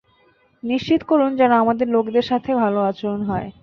নিশ্চিত করুন যেন আমাদের লোকদের সাথে ভালো আচরণ হয়।